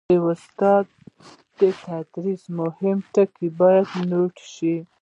د استاد د تدریس مهم ټکي باید نوټ شي.